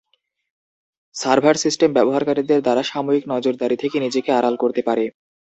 Server system ব্যবহারকারীদের দ্বারা সাময়িক নজরদারী থেকে নিজেকে আড়াল করতে পারে।